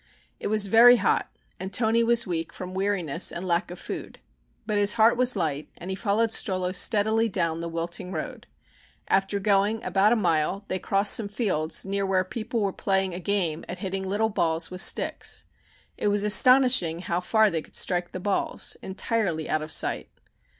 It was very hot and Toni was weak from weariness and lack of food, but his heart was light and he followed Strollo steadily down the wilting road. After going about a mile they crossed some fields near where people were playing a game at hitting little balls with sticks. It was astonishing how far they could strike the balls entirely out of sight.